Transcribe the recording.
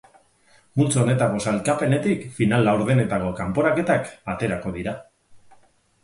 Multzo honetako sailkapenetik final-laurdenetako kanporaketak aterako dira.